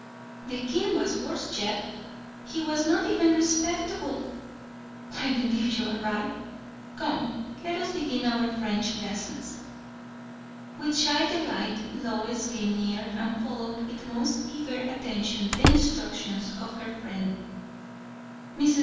"The King was worse yet! He was not even respectable." "I believe you are right. Come let us begin our French lessons." With shy delight, Lois came near and followed with most eager attention the instructions of her friend. Mrs.